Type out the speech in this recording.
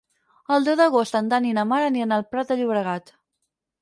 El deu d'agost en Dan i na Mar aniran al Prat de Llobregat.